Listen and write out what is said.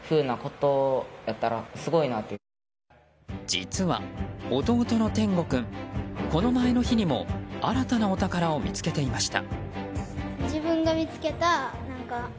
実は弟の展梧君この前の日にも新たなお宝を見つけていました。